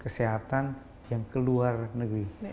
kesehatan yang ke luar negeri